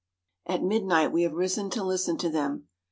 At midnight we have risen to listen to them.